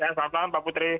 selamat malam pak putri